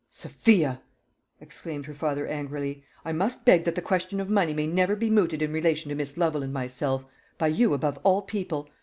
"Sophia!" exclaimed her father angrily, "I must beg that the question of money may never be mooted in relation to Miss Lovel and myself by you above all people.